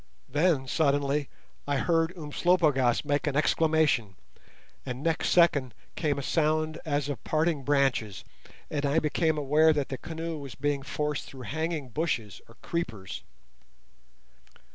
Then, suddenly, I heard Umslopogaas make an exclamation, and next second came a sound as of parting branches, and I became aware that the canoe was being forced through hanging bushes or creepers.